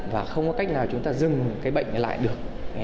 và không có cách nào chúng ta dừng cái bệnh lại được